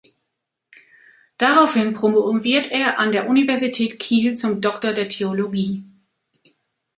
Daraufhin promoviert er an der Universität Kiel zum Doktor der Theologie.